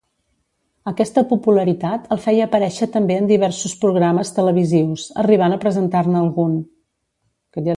Aquesta popularitat el feia aparèixer també en diversos programes televisius, arribant a presentar-ne algun.